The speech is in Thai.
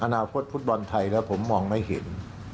อนาคตฟุตบอลไทยแล้วผมมองไม่เห็น